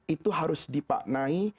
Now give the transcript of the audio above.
itu harus dipaknai